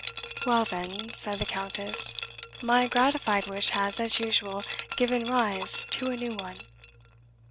"Well, then," said the Countess, "my gratified wish has, as usual, given rise to a new one."